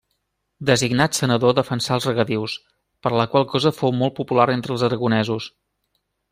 Designat senador defensà els regadius, per la qual cosa fou molt popular entre els aragonesos.